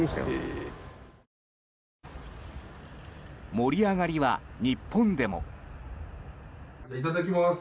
盛り上がりは日本でも。